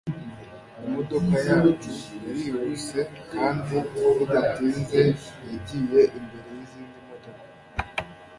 imodoka yacu yarihuse kandi bidatinze yagiye imbere yizindi modoka